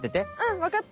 わかった！